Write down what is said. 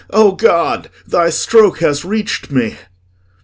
O God! Thy stroke has reached me!"